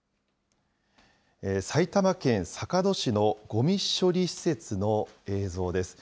埼玉県坂戸市のごみ処理施設の映像です。